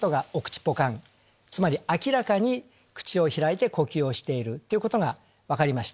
明らかに口を開いて呼吸をしていることが分かりました。